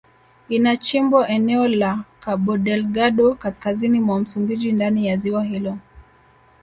Inachimbwa eneo la Kabodelgado kaskazini mwa Msumbiji ndani ya ziwa hilo